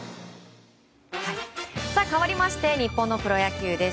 かわりまして日本のプロ野球です。